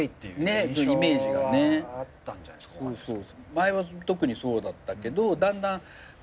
前は特にそうだったけどだんだんそれもね